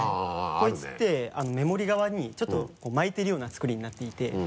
こいつって目盛り側にちょっと巻いてるような作りになっていて。